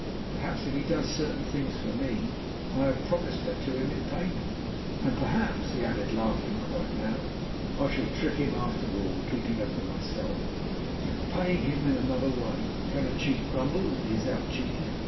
Perhaps if he does certain things for me, I have promised her to him in payment. And perhaps," he added, laughing quite loud, "I shall trick him after all, keeping her for myself, and paying him in another way, for can a cheat grumble if he is out cheated?"